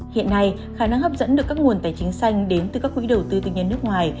hiện nay khả năng hấp dẫn được các nguồn tài chính xanh đến từ các quỹ đầu tư tư nhân nước ngoài